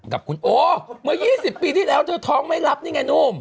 กับคุณโอเมื่อ๒๐ปีที่แล้วเธอท้องไม่รับนี่ไงนุ่ม